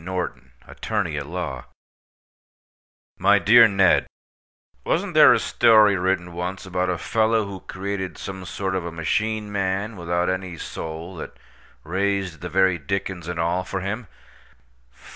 NORTON, ATTORNEY AT LAW My dear Ned:—Wasn't there a story written once about a fellow who created some sort of a machine man without any soul that raised the very dickens and all for him?